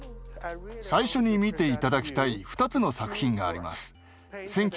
最初に見て頂きたい２つの作品があります。